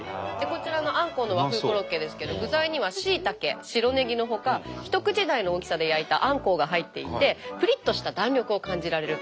こちらのあんこうの和風コロッケですけれど具材にはしいたけ白ねぎのほか一口大の大きさで焼いたあんこうが入っていてぷりっとした弾力を感じられる。